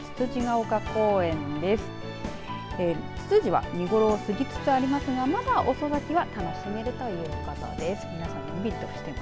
つつじは見頃を過ぎつつありますが、また遅咲きは楽しめるということです。